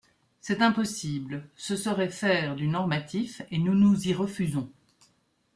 C’est impossible : ce serait faire du normatif, et nous nous y refusons.